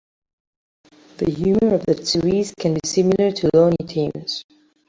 The humor of that series can be similar to Looney Tunes.